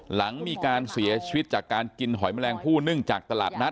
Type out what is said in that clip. หลังมีการเสียชีวิตจากการกินหอยแมลงผู้เนื่องจากตลาดนัด